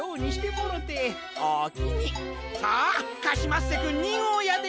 さあカシマッセくん２ごうやで！